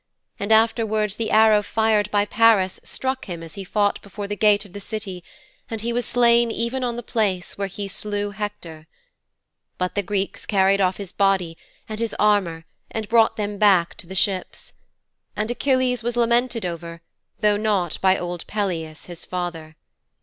And afterwards the arrow fired by Paris struck him as he fought before the gate of the City, and he was slain even on the place where he slew Hector. But the Greeks carried off his body and his armour and brought them back to the ships. And Achilles was lamented over, though not by old Peleus, his father.